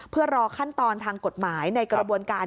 เพื่อรอขั้นตอนทางกฎหมายในกระบวนการ